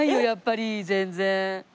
やっぱり全然。